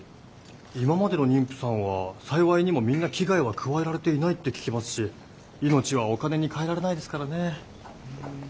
今までの妊婦さんは幸いにもみんな危害は加えられていないって聞きますし命はお金にかえられないですからね。